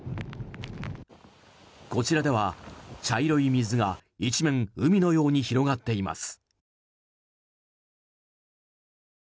こちらでは茶色い水が、一面海のように広がっています。